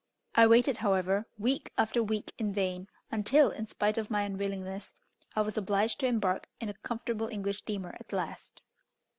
I waited, however, week after week in vain, until, in spite of my unwillingness, I was obliged to embark in a comfortable English steamer at last.